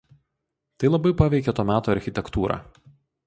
Tai labai paveikė to meto architektūrą.